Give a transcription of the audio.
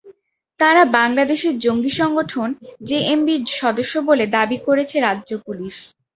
তাঁরা বাংলাদেশের জঙ্গি সংগঠন জেএমবির সদস্য বলে দাবি করেছে রাজ্য পুলিশ।